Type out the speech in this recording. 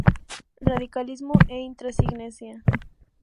Radicalismo e intransigencia.